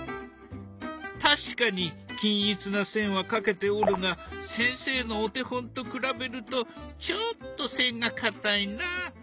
確かに均一な線は描けておるが先生のお手本と比べるとちょっと線がかたいな。